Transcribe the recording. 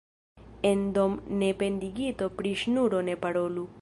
En dom' de pendigito pri ŝnuro ne parolu.